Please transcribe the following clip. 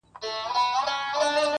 بس پښتونه چي لښکر سوې نو د بل سوې,